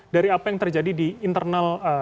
dari apa yang terjadi di internal